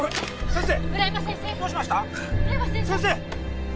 先生！